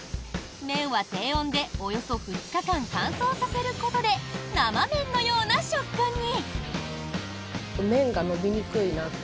麺は低温でおよそ２日間乾燥させることで生麺のような食感に。